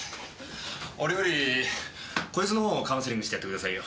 俺よりこいつの方カウンセリングしてやってくださいよ。